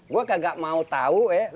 gue kagak mau tahu ya